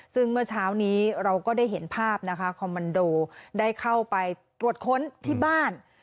ซึ่งเมื่อเช้านี้เราก็ได้เห็นภาพนะคะคอมมันโดได้เข้าไปตรวจค้นที่บ้าน